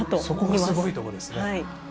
そこがすごいところですね。